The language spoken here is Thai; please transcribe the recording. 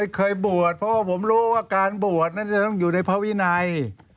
เคยบวชเพราะว่าผมรู้ว่าการบวชนั้นจะต้องอยู่ในภาวินัย